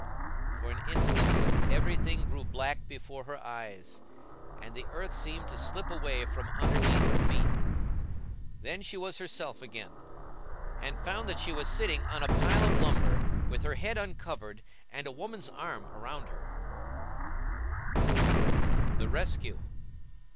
For an instant every thing grew black before her eyes, and the earth seemed to slip away from underneath her feet. Then she was herself again, and found that she was sitting on a pile of lumber, with her head uncovered, and a woman's arm about her. [Illustration: THE RESCUE.